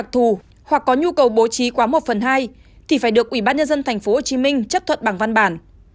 thí quá một phần hai thì phải được ủy ban nhân dân tp hcm chấp thuận bằng văn bản